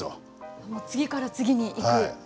もう次から次に行く。